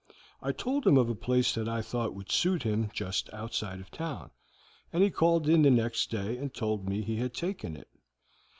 I told him of a place that I thought would suit him just outside the town, and he called in the next day and told me he had taken it.